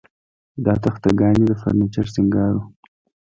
دا تخته ګانې د فرنیچر سینګار و